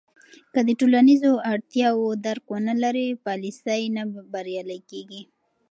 که د ټولنیزو اړتیاوو درک ونه لرې، پالیسۍ نه بریالۍ کېږي.